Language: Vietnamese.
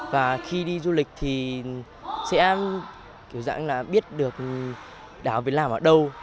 và khi đi du lịch thì sẽ kiểu dạng là biết được đảo việt nam ở đâu